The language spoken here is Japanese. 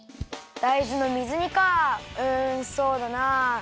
だいずの水煮かうんそうだな。